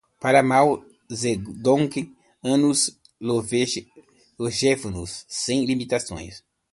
Para Mao Zedong, anos longevos sem limitações